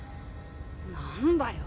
何だよ。